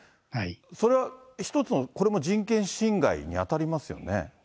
それは一つのこれも人権侵害に当たりますよね。